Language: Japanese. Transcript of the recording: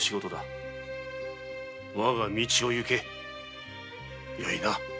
わが道を行けよいな。